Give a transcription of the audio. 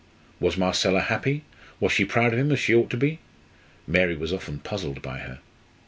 Was Marcella happy, was she proud of him, as she ought to be? Mary was often puzzled by her.